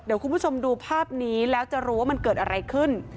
เดี๋ยวคุณผู้ชมดูภาพนี้แล้วจะรู้ว่ามันเกิดอะไรขึ้น